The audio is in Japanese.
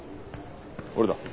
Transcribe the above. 俺だ。